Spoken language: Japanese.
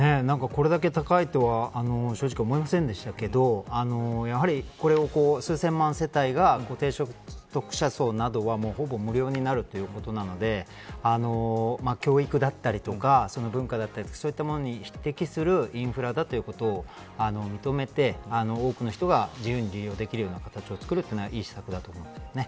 これだけ高いとは正直思いませんでしたがやはり、これを数千万世帯が低所得者層などはほぼ無料になるということなので教育だったりとか文化だったりそういったものに匹敵するインフラだということを認めて多くの人が自由に利用できるような形をつくるのはいい施策だと思います。